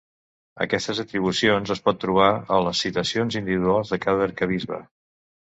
Aquestes atribucions es pot trobar a les citacions individuals de cada arquebisbe.